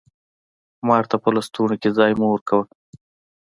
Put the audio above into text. مار ته په لستوڼي کي ځای مه ورکوه!